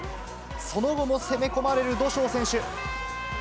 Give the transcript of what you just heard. その後も攻め込まれる土性選手。